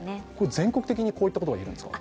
全国的にこういったことが言えるんですか？